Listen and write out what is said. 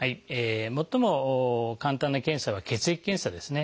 最も簡単な検査は血液検査ですね。